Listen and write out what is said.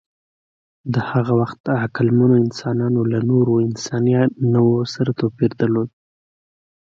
د هغه وخت عقلمنو انسانانو له نورو انساني نوعو سره توپیر درلود.